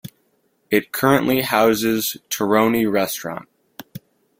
It currently houses Terroni restaurant.